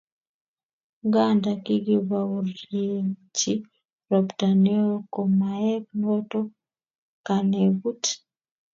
Nganda kikibaurienchi ropta neo ko maek noto kanegut